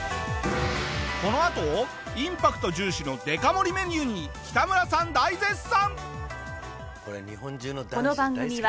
このあとインパクト重視のデカ盛りメニューに北村さん大絶賛！